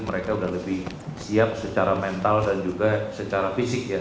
mereka sudah lebih siap secara mental dan juga secara fisik ya